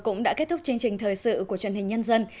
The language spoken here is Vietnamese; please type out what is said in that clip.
cũng đã kết thúc chương trình thời sự của truyền hình nhân dân